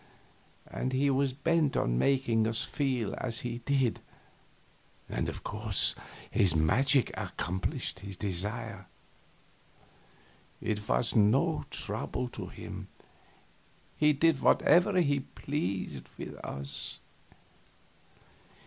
And he was bent on making us feel as he did, and of course his magic accomplished his desire. It was no trouble to him; he did whatever he pleased with us.